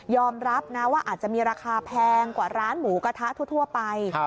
รับนะว่าอาจจะมีราคาแพงกว่าร้านหมูกระทะทั่วไป